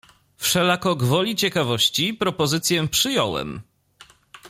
"Wszelako gwoli ciekawości, propozycję przyjąłem."